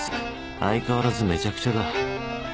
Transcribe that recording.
相変わらずめちゃくちゃだ